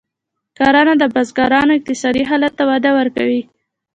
کرنه د بزګرانو اقتصادي حالت ته وده ورکوي.